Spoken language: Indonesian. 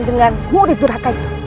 dengan murid durhaka itu